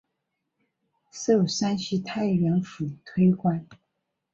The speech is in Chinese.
授山西太原府推官。